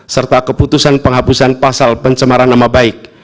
serta keputusan penghapusan pasal pencemaran nama baik